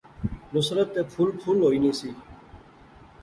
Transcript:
نصرت تے پُھل پُھل ہوئی نی سی